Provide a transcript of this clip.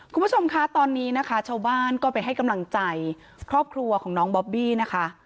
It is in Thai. คุณผู้ชมคะตอนนี้นะคะชาวบ้านก็ไปให้กำลังใจครอบครัวของน้องบอบบี้นะคะ